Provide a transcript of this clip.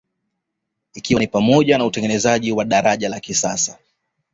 Ikiwa ni pamoja na utengenezaji wa daraja la kisasa